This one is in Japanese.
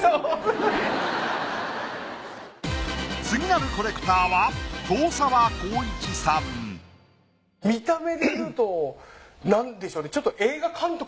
次なるコレクターは見た目で言うとなんでしょうね。